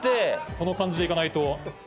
この感じでいかないと。